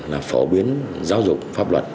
là phổ biến giáo dục pháp luật